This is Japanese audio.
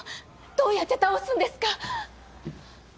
どうやって倒すんですか！？